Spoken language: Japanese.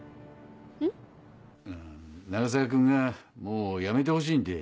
永沢君がもうやめてほしいんて。